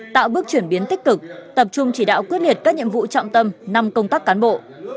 tạo bước chuyển biến tích cực tập trung chỉ đạo quyết liệt các nhiệm vụ trọng tâm năm công tác cán bộ